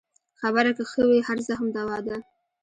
خبره که ښه وي، هر زخم دوا ده.